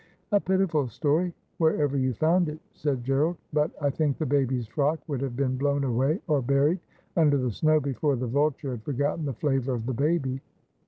' A pitiful story, wherever you found it,' said Gerald ;' but I think the baby's frock would have been blown away or buried under the snow before the vulture had forgotten the flavour of the baby.'